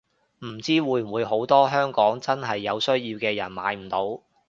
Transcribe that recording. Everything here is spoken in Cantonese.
唔知會唔會好多香港真係有需要嘅人買唔到